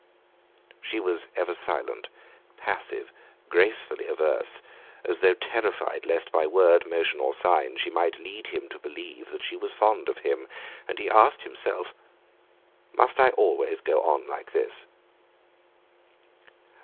She was ever silent, passive, gracefully averse; as though terrified lest by word, motion, or sign she might lead him to believe that she was fond of him; and he asked himself: Must I always go on like this?